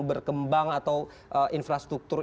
berkembang atau infrastruktur